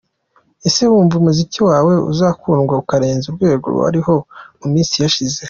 Ese wumva umuziki wawe uzakundwa ukarenza urwego wariho mu minsi yashize?.